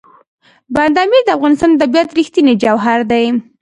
بند امیر د افغانستان د طبیعت رښتینی جوهر دی.